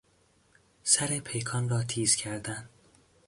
سر پیکان را تیز کردن